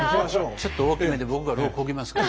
ちょっと大きめで僕が櫓をこぎますから。